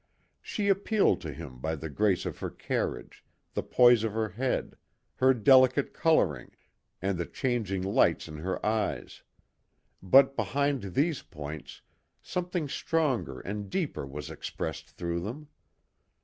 She appealed to him by the grace of her carriage, the poise of her head, her delicate colouring, and the changing lights in her eyes; but behind these points something stronger and deeper was expressed through them.